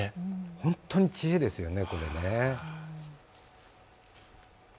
本当にこれは知恵ですよね。